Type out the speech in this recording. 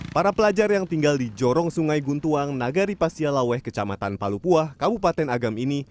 para pelajar yang tinggal di jorong sungai guntuang nagari pasialaweh kecamatan palupuah kabupaten agam ini